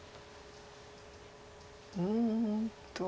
うんと。